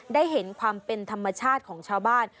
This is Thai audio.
ได้เห็นความเป็นธรรมชาติของชาวบ้าน